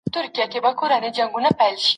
زه کولای سم پلان جوړ کړم.